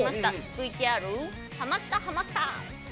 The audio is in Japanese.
ＶＴＲハマったハマった！